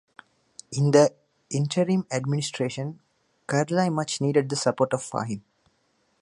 In the interim administration, Karzai much needed the support of Fahim.